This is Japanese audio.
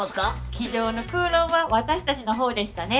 机上の空論は私たちの方でしたね。